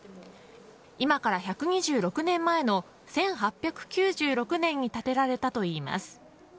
今から１２６年前の１８９６年に建てられたといます。